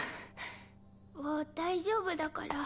もう大丈夫だから。